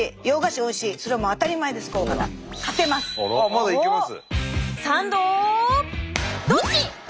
まだいけます？